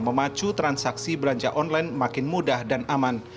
memacu transaksi belanja online makin mudah dan aman